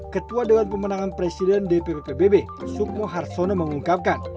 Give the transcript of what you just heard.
ketua dewan pemenangan presiden dpp pbb sukmo harsono mengungkapkan